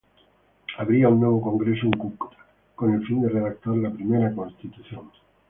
Habría un nuevo congreso en Cúcuta con el fin de redactar la primera constitución.